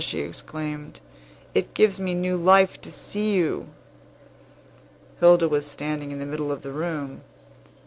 she exclaimed. "It gives me new life to see you!" Hilda was standing in the middle of the room.